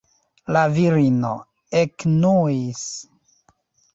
La virino ekenuis.